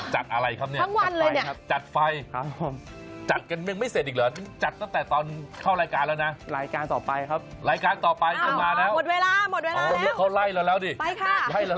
จัดอะไรครับนี่จัดไฟครับจัดไฟครับทั้งวันเลยนี่